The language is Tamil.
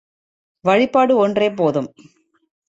வழிபாடு ஒன்றே போதும்.